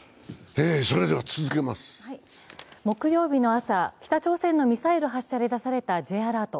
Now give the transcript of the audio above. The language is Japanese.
木曜日の朝、北朝鮮のミサイル発射で出されたＪアラート